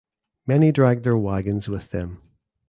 Many dragged their wagons with them.